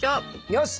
よし！